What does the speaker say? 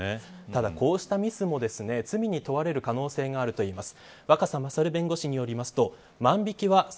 ただ、こうしたミスも罪に問われる可能性があるといいます。